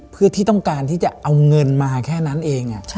เพื่อที่ต้องการที่จะเอาเงินมาแค่นั้นเอง